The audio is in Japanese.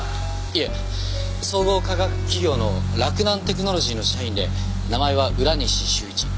いえ総合化学企業の洛南テクノロジーの社員で名前は浦西修一。